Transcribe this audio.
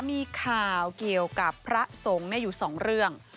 มีข่าวเกี่ยวกับพระสงฆ์อยู่สองเรื่อง